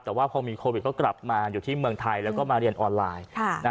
แต่ว่าพอมีโควิดก็กลับมาอยู่ที่เมืองไทยแล้วก็มาเรียนออนไลน์